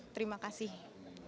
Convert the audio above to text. terima kasih banyak